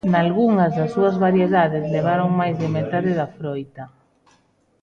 Nalgunhas das súas variedades levaron máis de metade da froita.